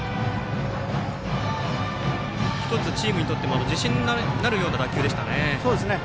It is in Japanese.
１つ、チームにとっても自信になるような打球でしたね。